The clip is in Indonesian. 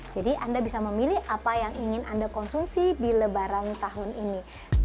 jadi anda bisa memilih apa yang ingin anda konsumsi di lebaran tahun ini